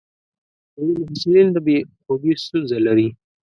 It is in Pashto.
ځینې محصلین د بې خوبي ستونزه لري.